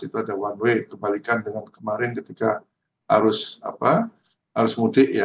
itu ada one way kebalikan dengan kemarin ketika arus mudik ya